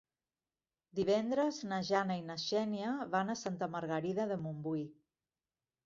Divendres na Jana i na Xènia van a Santa Margarida de Montbui.